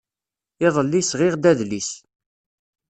Iḍelli, sɣiɣ-d adlis.